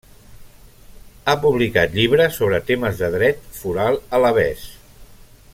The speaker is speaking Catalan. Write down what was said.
Ha publicat llibres sobre temes de dret foral alabès.